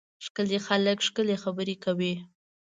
ښکلي خلک ښکلې خبرې کوي.